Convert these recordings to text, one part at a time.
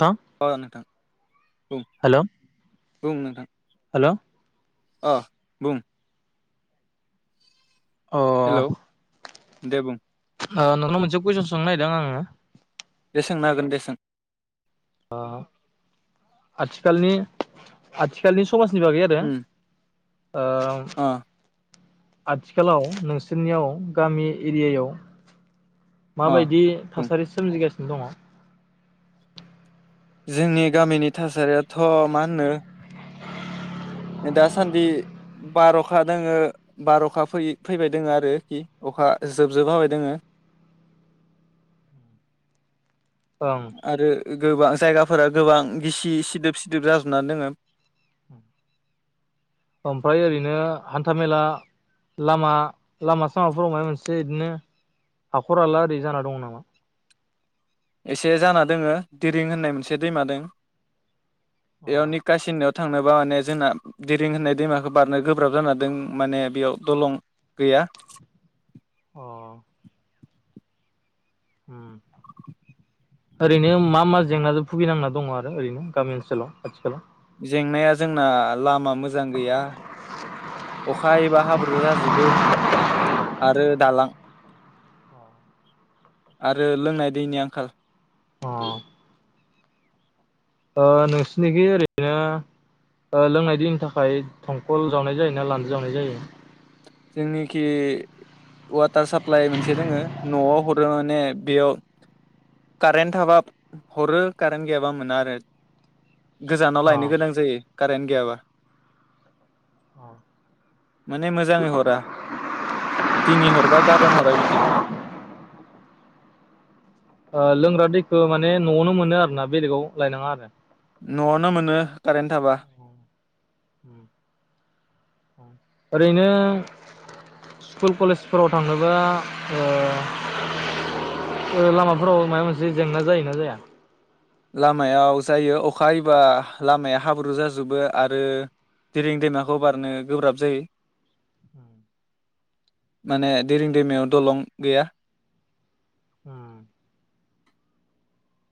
नोंथां औ नोंथां बुं बुं नोंथां हेलौ ओ बुं अ हेलौ दे बुं ओ नोंनाव मोनसे कुइसन सोंनो नायदों आङो दे सोंनो हागोन दे सों ओ आथिखालनि आथिखालनि समाजनि बागै आरो उम ओ अ आथिखालाव नोंसोरनियाव गामि एरियायाव अ माबायदि बुं थासारि सोमजिगासिनो। दङ जोंनि गामिनि थासारियाथ' मा होनो दासान्दि बार'खा दोङो बार'खा फैबाय दोङो आरोखि अखा जोबजोबहाबाय दोङो ओं आरो गोबां जायगाफोरा गोबां गिसि सिदोब सिदोब जाजोबनानै दोङो। ओमफ्राय ओरैनो हान्थाामेला लामा लामा सामाफोराव मायबा मोनसे इदिनो हाखर हाला ओरै जाना दं नामा? एसे जाना दोङो दिरिं होननाय मोनसे दैमा दों। अ एयाव निखासि होनायाव थांनोबा माने जोंना देरिं होननाय दैमाखौ बारनो गोब्राब जाना दं माने बेयाव दलं गैया। अ हम [inaudible] ओरैनो मा मा जेंनाजों भुगिनांना दङ आरो ओरैनो गामि ओनसोलाव आथिखालाव जेंनाया जोंना लामा मोजां गैया अखा हायोबा हाब्रु जाजोबो आरो दालां आरो लोंनाय दैनि आंखाल अ ओ नोंसोरनिखि ओरैनो लोंनाय दैनि थाखाय दंखल जावनाय जायो ना लान्दो जावनाय जायो। जोंनिखि वाटार साप्लाइ मोनसे दोङो न'आव हरो माने बेयाव कारेन्ट थाबा हरो कारेन्ट गैयाबा मोना आरो। अ गोजानाव लायनो गोनां जायो। कारेन्ट गैयाबा। अ [unintelligible] दिन हरबा गाबोन हरा बिदि खालामो। ओ लोंग्रा दैखौ माने न'आवनो मोनो आरोना बेलेगाव लायनाङा आरो। न'आवनो मोनो कारेन्ट थाबा ओरैनो स्कुल कलेजफोराव थांनोबा ओ लामाफोराव माबा मोनसे जेंना जायोना जाया। लामायाव जायो अखा हायोब्ला लामाया हाब्रु जाजोबो आरो देरें दैमाखौ बारनो गोब्राब जायो। औ माने दैेरिं दैमायाव दलं गैया। उम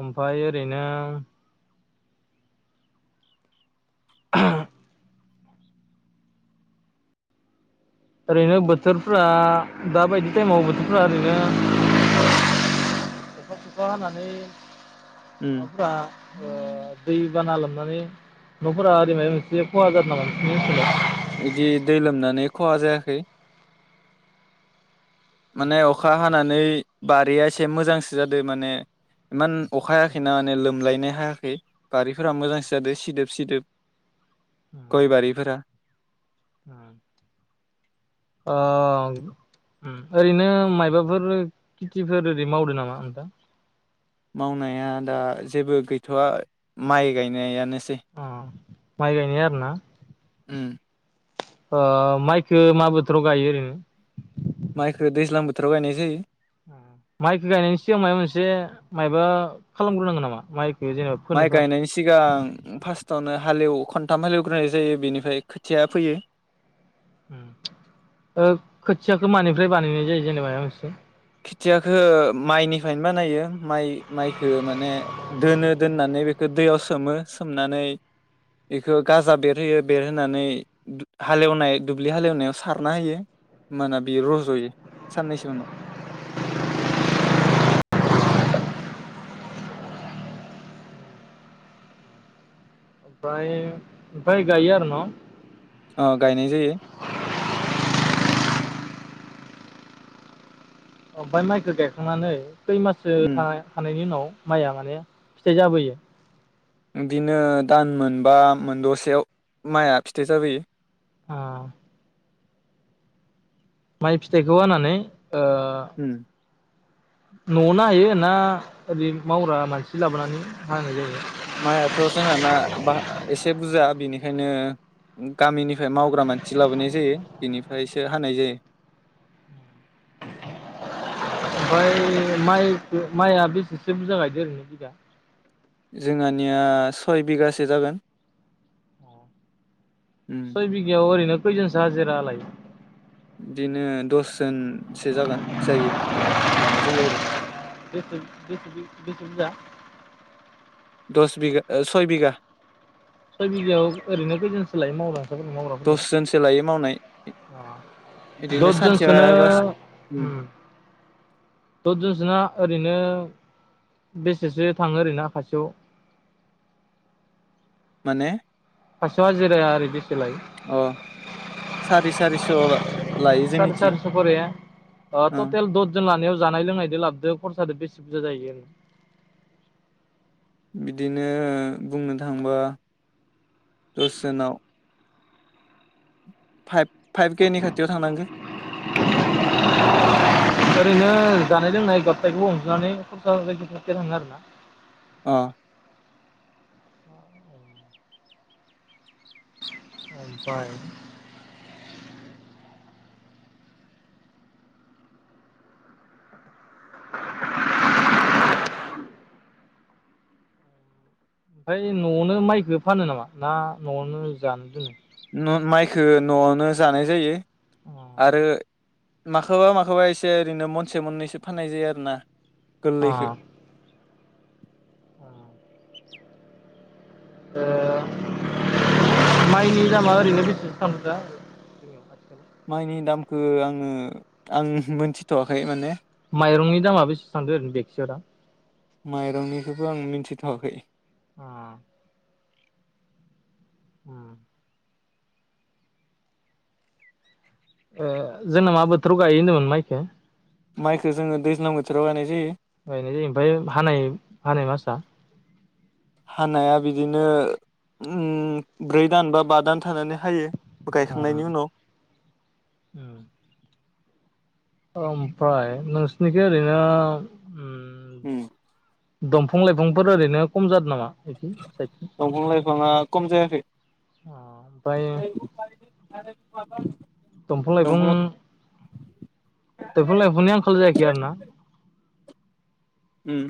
ओमफाय ओरैनो [unintelligible] ओरैनो बोथोरफ्रा दाबायदि टाइमाव बोथोरफ्रा ओरैनो अखा सखा हानानै। उम माबाफोरा ओ दैबाना लोम माने न'फोरा आरि मायबा मोनसे खहा जादों नामा नोंनि ओनसोलाव? बिदि दै लोमनानै खहा जायाखै। माने अखा हानानै बारिया एसे मोजांसो जादों माने इमान अखाहायाखैना माने लोमलायनो हायाखै बारिफोरा मोजांसो जादों सिदोब सिदोब ओनसोलाव गयबारिफोरा ओ उम ओरैनो मायबाफोर खेथिफोर ओरै मावदो नामा नोंथां? मावनाया दा जेबो गैथ'वा माइ गायनायानो अ माय गायनाय आरो ना? उम ओ माइखो मा बोथोराव गायो ओरैनो माइखौ दैज्लां बोथोराव गायनाय जायो। माइखौ गायनायनि सिगां माबा मोनसे माबा खालामग्रोनांगोन नामा माइ माइ गायनायनि सिगां फार्स्टआवनो हालेव खन्थाम हलेवग्रोनाय जायो बेनिफ्राय खोथिया फोयो। उओ खोथियाखौ मानिफ्राय बानायनाय जायो जेनेबाया मोनोंसिथिं? खेथियाखौ माइनिफ्रायनो बानायो माइ माइखो माने दोनो दोननानै बेखौ दैयाव सोमो सोमनानै बेखौ गाजा बेरहोयो बेरहोनानै हालेवनाय दुब्लि हालेवनायाव सारना होयो होमबाना बेयो रज'यो साननैसो उनाव ओमफ्राय फ्राय गायो आरो न? अ गायनाय जायो। ओमफ्राय माइखौ गायखांनानै खै माससो उम थानायनि उनाव माइया माने फिथाइ जाबोयो। बिदिनो दान मोनबा मोन दसेयाव माइआ फिथाइ जाबोयो। अ माइ फिथाइखौ हानानै ओ हम न'आवनो हायो ना ओरै मावग्रा मानसि लाबोनानै हानाय जायो। माइआथ' जोंहाना बा एसे बुरजा बिनिखायनो गामिनिफ्राय मावग्रा मानसि लाबोनाय जायो बिनिफ्रायसो हानाय जायो। ओमफाय माइखो माइआ बेसेसो बुरजा गायदो ओरैनो बिगा जोंहानिया सय बिगासो जागोन। उम सय बिगायाव ओरैनो खैजोनसो हाजिरा लायो? बिदिनो दस दोनसे जागोन जायो लानाय जायो आरो। बेसे बेसे बेसे बुरजा दस बिगा सय बिघा सय बिगायाव ओरैनो खैजोनसो लायो मावग्रा मावग्राफोरल दसजोनसो लायो मावनाय इदिनो सानसेयाव दसजनसोनो एबा उम दसजनसोना? ओरैनो बेसेसो थाङो ओरैनो खासेयाव। माने खासेयाव हाजिराया ओरै बेसेलायो? अ सारि सारिस' लायो सार जोंनिथि सारिस' खरे ओ टटेल दद जन लानाया जानाय लोंनायजों लाबदो खरसादो बेसे बुरजा जायो आरो? बिदिनो बुंनो थांबा दस जोनाव फाइभ फाइभ के नि खाथियाव थांनांगो ओरैनो जानाय लोंनाय गाबथायखौबो अनजनानै खरसा जायगायाव थफेरलाङो आरो ना अ ओमफाय ओमफाय न'आवनो माइखौ फानो नामा ना न'आवनो जानो दोनो माइखो न'आवनो जानाय जायो आरो माखौबा माखौबा एसे ओरैनो मनसे मोननैसो फाननाय जायो आरो ना गोरलैखो अ ओ माइनि दामा ओरैनो बेसेसो थाङो दा माइनि दामखौ आङो आं मोनथिथ'वाखै माने माइरंनि दामा बेसे थांदो ओरै बेकसेयाव दा माइरंनिखौबो आं मिथिथ'वाखै ओ उ ओ जोंना मा बोथोराव गायो होनदोंमोन माइखो माइखौ जोङो दैज्लां बोथोराव गायनाय जायो गायनाय जायो ओमफ्राय हानाय हानाय मासा हानाया बिदिनो ब्रै दान बा बा दान थानानै हायो गायखांनायनि उनाव अ ओमफ्राय नोंसिनिखै ओरैनो उम दंफां लाइफांफोर ओरैनो खम जादों नामा बिदि साइडथिं दंफां लाइफाङा खम जायाखै अ ओमफ्राय [unintelligible] दंफां लाइफां दफां दंफां लाइफांनि आंखाल जायाखै आरोना उम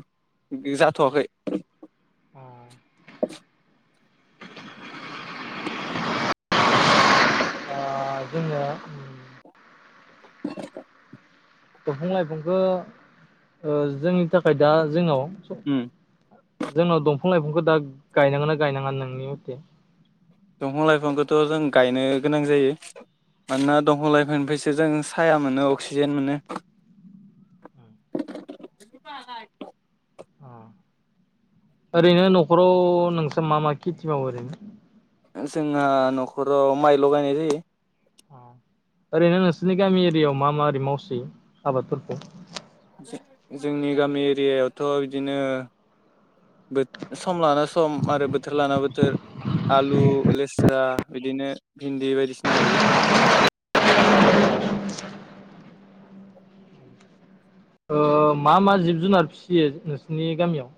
जाथ'वाखै अ जोङो दंफां लाइफांखौ ओ जोंनि थाखाय दा जोंनाव उम जोंनाव दंफां लाइफांखौ दा गायनांगोन ना गायनाङा नोंनि मथे दंफां लाइफांखौथ' जों गायनो गोनां जायो मानोना दंफां लाइफांनिफ्रायसो जों साया मोनो अक्सिजेन मोनो ओरैनो नखराव नोंसा मा मा खेथि मावो ओरैनो जोंहा नखराव माइल' गायनाय जायो ओरैनो नोंसोरनि गामि एरियायाव मा मा आदि मावसोयो आबादफोरखौ जोंनि गामि एरियायावथ' इदिनो सम लाना सम आरो बोथोर लाना बोथोर आलु लेस्रा बिदिनो भिन्दि बायदिसिना गायो ओ मा मा जिब जुनार फिसियो नोंसिनि गामियाव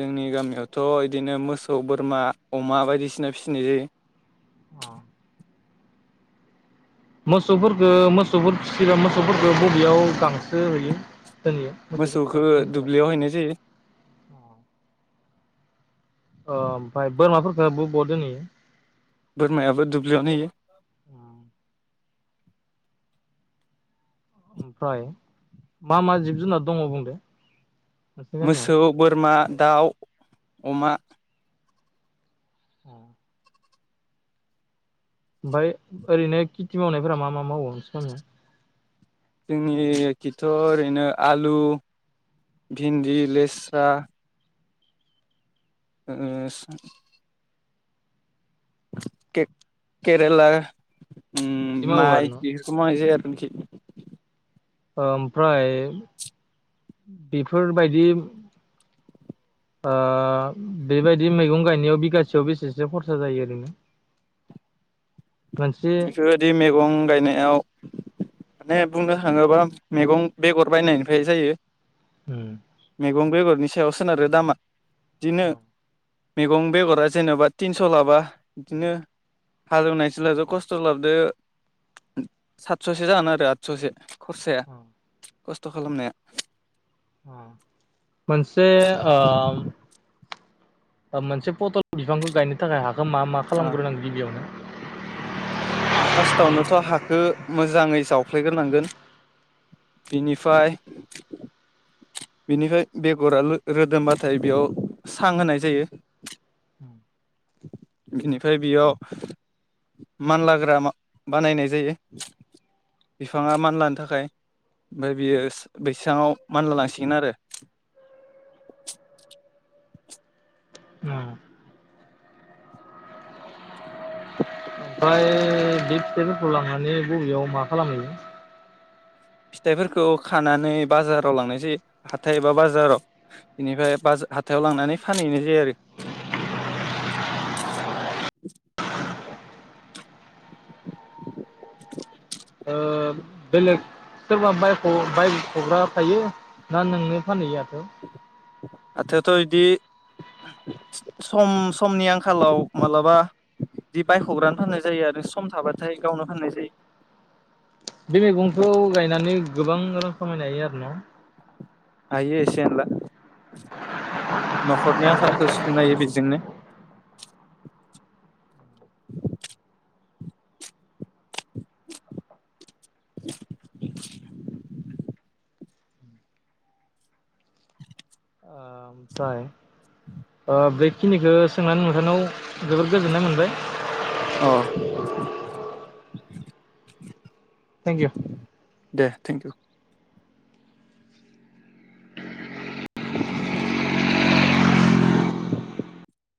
जोंनि गामियावथ' इदिनो मोसौ बोरमा अमा बायदिसिना फिसिनाय जायो औ मोसौफोरखौ मोसौफोरखौ फिसियोब्ला मोसौफोरखौ बबेयाव गांसो होयो मोसौखौ दुब्लियाव हैनाय जायो [unintelligible] अ ओमफाय बोरमाफोरखो बोवा बोवा दोनहैयो बोरमायाबो दुब्लियावनो होयो ओमफाय मा मा जिब जुनार दङ बुंदो नोंसिनि गामियाव मोसौ बोरमा दाउ अमा औ ओमफाय ओरैनो खेथि मावनायफोरा मा मा मावो [unintelligible] जोंनि खिथ' ओरैनो आलु भिन्दि लेस्रा ओ [unintelligible] के-केरेला उम बिदि मावो माइ आरो न बेफोरखौ [unintelligible] [unintelligible] ओमफ्राय बेफोरबायदि ओ बेबायदि मैगं गायनायाव बिगासेयाव बेसेसो खरसा जायो ओरैनो मोनसे बेफोरबायदि मैगं गायनायाव माने बुंनो थाङोबा मैगं बेगर बायनायनिफ्राय जायो उम मैगं बेगर नि सायाव सोनारो दामा बिदिनो मैगं बेगरा जेनेबा थिनस' लाबा बिदिनो हालेवनाय जिला' खस्थ' खस्थ' लाबोदो सातस'सो जागोन आरो आदस'सो खरसाया खस्थ' खालामनाया मोनसे ओ मोनसे पटल बिफांखौ गायनो थाखाय हा ओ फासथावनोथ' हाखो मोजाङै जावफ्लेग्रोनांगोन बिनिफ्राय बिनिफ्राय बेगरा रो-रोदोमबाथाय बेयाव सां होनाय जायो [unintelligible] बिनिफ्राय बेयाव मानलाग्रा बानायनाय जायो बिफाङा मानलानो थाखाय ओमफाय बियो बैसााङाव मानला लांसिगोन आरो [unintelligible] ओमफ्राय बे फिथाइफोरखौ लांनानै बबेयाव मा खालामहैयो फिथाइफोरखौ खानानै बाजाराव लांनाय जायो हाथाय एबा बाजाराव बेनिफाय हाथायाव लांनानै फानहैनाय जायो आरो ओ [unintelligible] बेलेग सोरबा बाय' बायख'ग्रा थायो ना नोंनो फानहैयो हाथायाव हाथायाथ' इदि सम समनि आंखालाव मालाबा बिदि बायख'ग्रानो फाननाय जायो आरो सम थाबाथाय गावनो फाननाय जायो बे मैगंखौ गायनानै गोबां रां खामायनो हायो आरो ना हायो एसे एनला न'खरनि आंखालखौ सुफुंनो हायो बेजोंनो [unintelligible] ओमफ्राय ओ बेखिनिखौ सोंनानै नोंथांनियाव जोबोर गोजोननाय मोनबाय अ थेंक इउ दे थेंक इउ